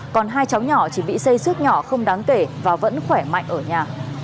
còn hai cháu nhỏ chỉ bị xây suốt nhỏ không đáng kể và vẫn khỏe mạnh ở nhà